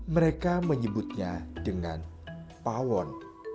mereka menyebutnya dengan pawon